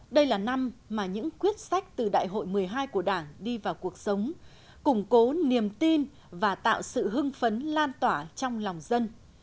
đây là năm mà những quyết sách từ đại hội một mươi hai của đảng đi vào cuộc sống củng cố niềm tin và tạo sự hưng phấn lan tỏa trong lòng dân